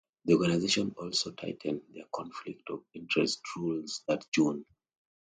The organization also tightened their conflict of interest rules that June.